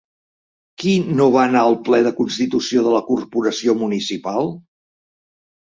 Qui no va anar al ple de constitució de la corporació municipal?